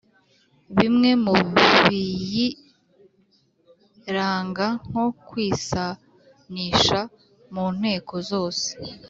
bimwe mu biyiranga nko kwisanisha mu nteko zose